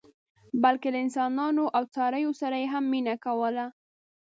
بلکې له انسانانو او څارویو سره یې هم مینه کوله.